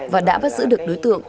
và đã bắt giữ được đối tượng